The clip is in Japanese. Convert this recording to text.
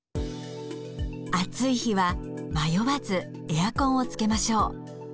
暑い日は迷わずエアコンをつけましょう。